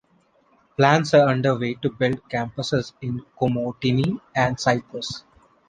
Plans are under way to build campuses in Komotini and in Cyprus.